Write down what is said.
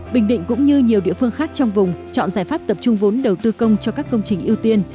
bình định cũng như nhiều địa phương khác trong vùng chọn giải pháp tập trung vốn đầu tư công cho các công trình ưu tiên